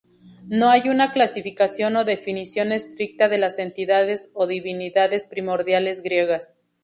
No hay una clasificación o definición estricta de las entidades o divinidades primordiales griegas.